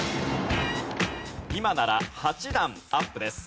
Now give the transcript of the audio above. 今なら８段アップです。